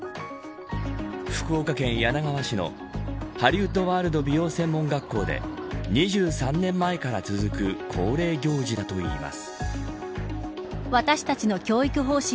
福岡県柳川市のハリウッドワールド美容専門学校で２３年前から続く恒例行事だといいます。